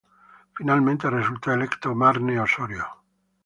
Finalmente resultó electo Marne Osorio.